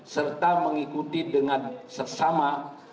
serta mengikuti dengan sesama